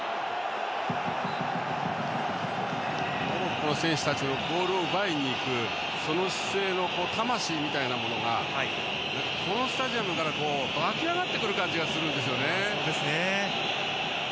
モロッコの選手たちのボールを奪いにいくその姿勢の魂みたいなものがこのスタジアムから湧き上がってくる感じがするんですよね。